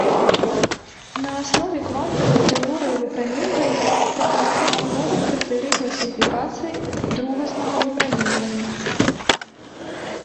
На аснове квантавай тэорыі выпраменьвання прапанаваў новы крытэрый класіфікацыі другаснага выпраменьвання.